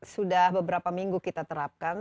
sudah beberapa minggu kita terapkan